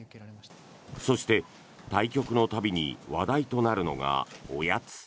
そして、対局の度に話題となるのがおやつ。